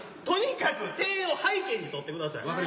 とにかく庭園を背景に撮ってください。